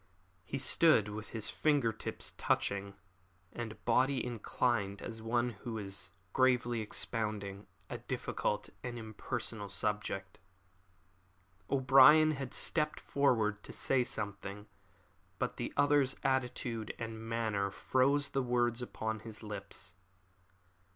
He stood with his finger tips touching, and his body inclined as one who is gravely expounding a difficult and impersonal subject. O'Brien had stepped forward to say something, but the other's attitude and manner froze the words upon his lips.